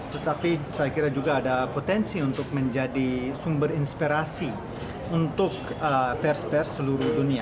tetapi saya kira juga ada potensi untuk menjadi sumber inspirasi untuk pers pers seluruh dunia